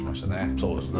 そうですね。